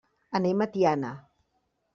Anem a Tiana.